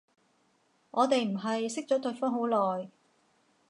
我哋唔係識咗對方好耐